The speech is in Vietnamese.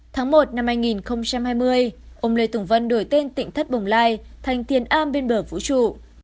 tháng một năm hai nghìn hai mươi ông lê tùng vân đổi tên tỉnh thất bồng lai thành tiền am bên bờ vũ trụ